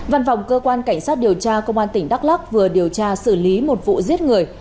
văn phòng cơ quan cảnh sát điều tra công an tỉnh đắk lắc vừa điều tra xử lý một vụ giết người